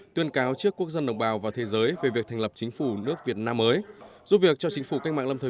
tuyên cáo trước quốc dân đồng bào và thế giới về việc thành lập chính phủ nước việt nam mới